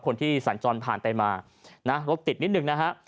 คนที่สัญจรผ่านไปมานะรถติดนิดนึงนะฮะ